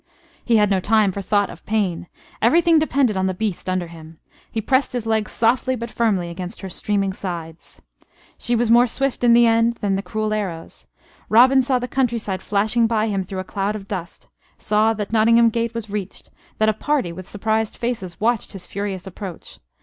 He had no time for thought of pain. Everything depended on the beast under him. He pressed his legs softly but firmly against her streaming sides. She was more swift in the end than the cruel arrows. Robin saw the countryside flashing by him through a cloud of dust; saw that Nottingham gate was reached; that a party with surprised faces watched his furious approach.